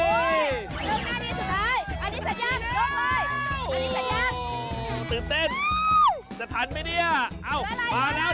น่าจะสุดเร้อยอันนี้ก็จัดยันต์ยกเลย